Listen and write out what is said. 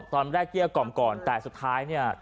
ตอนแรกเยี่ยกก่อมก่อนแต่สุดท้ายเนี่ย